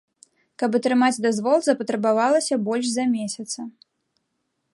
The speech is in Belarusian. Каб атрымаць дазвол, запатрабавалася больш за месяца.